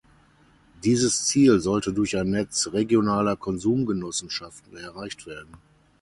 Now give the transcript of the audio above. Dieses Ziel sollte durch ein Netz regionaler Konsumgenossenschaften erreicht werden.